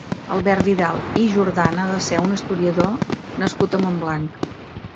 Albert Vidal i Jordana va ser un historiador nascut a Montblanc.